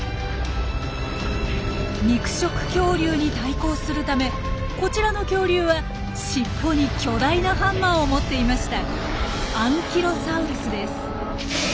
肉食恐竜に対抗するためこちらの恐竜は尻尾に巨大なハンマーを持っていました。